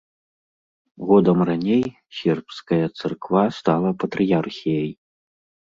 Годам раней сербская царква стала патрыярхіяй.